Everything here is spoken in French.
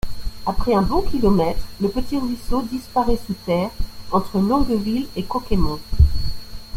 Après un bon kilomètre, le petit ruisseau disparaît sous terre entre Longueville et Coquaimont.